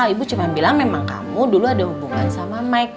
ibu cuma bilang memang kamu dulu ada hubungan sama mic